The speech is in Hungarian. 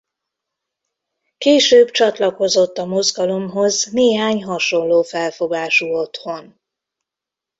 Később csatlakozott a mozgalomhoz néhány hasonló felfogású otthon.